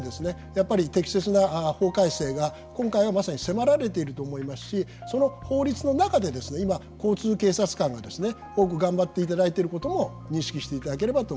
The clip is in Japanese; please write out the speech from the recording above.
やっぱり適切な法改正が今回はまさに迫られていると思いますしその法律の中でですね今交通警察官がですね多く頑張っていただいてることも認識していただければと思います。